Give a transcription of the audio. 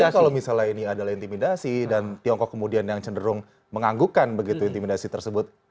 tapi kalau misalnya ini adalah intimidasi dan tiongkok kemudian yang cenderung menganggukkan begitu intimidasi tersebut